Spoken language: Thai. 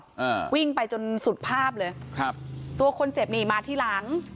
อ่าวิ่งไปจนสุดภาพเลยครับตัวคนเจ็บนี่มาที่หลัง